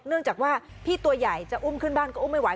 เนื่องจากว่าพี่ตัวใหญ่จะอุ้มขึ้นบ้านก็อุ้มไม่ไหว